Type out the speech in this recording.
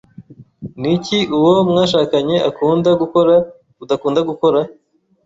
Ni iki uwo mwashakanye akunda gukora udakunda gukora?